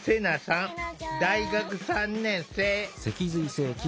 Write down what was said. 大学３年生。